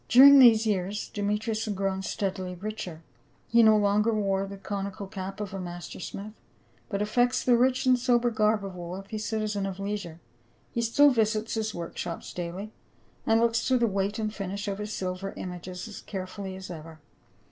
During the.se years Demetrius has grown steadily richer ; he no longer wears the conical cap of a master smith, but affects the rich and sober garb of a wealthy citizen of leisure ; he still visits his work shops daily, and looks to the weight and finish of his silver images as carefully as ever.